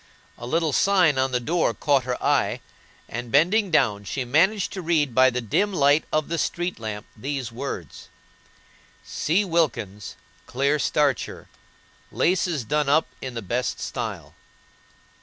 A little sign on the door caught her eye, and, bending down, she managed to read by the dim light of the street lamp these words: "C. WILKINS, Clear Starcher. "Laces done up in the best style."